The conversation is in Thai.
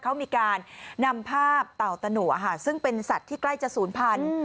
เขามีการนำภาพเต่าตะหนัวซึ่งเป็นสัตว์ที่ใกล้จะศูนย์พันธุ์